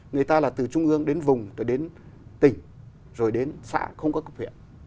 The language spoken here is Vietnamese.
người ta là từ trung ương đến vùng rồi đến tỉnh rồi đến xã không có cấp huyện